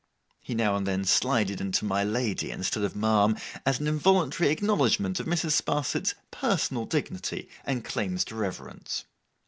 He now and then slided into my lady, instead of ma'am, as an involuntary acknowledgment of Mrs. Sparsit's personal dignity and claims to reverence.